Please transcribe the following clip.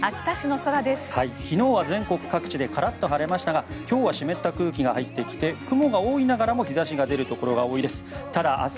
昨日は全国各地でカラッと晴れましたが今日は湿った空気が入ってきて雲が多いながらも日差しが出るところが多いです。